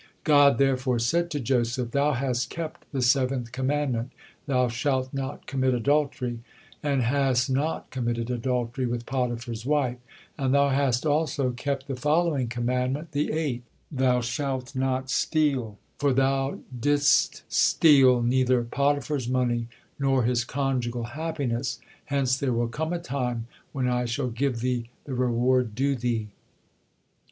God therefore said to Joseph: "Thou hast kept the seventh commandment, 'Thou shalt not commit adultery,' and has not committed adultery with Potiphar's wife; and thou hast also kept the following commandment, the eighth, 'Thou shalt not steal,' for thou didst still neither Potiphar's money nor his conjugal happiness, hence there will come a time when I shall give thee the reward due thee.